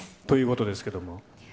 ということですけども。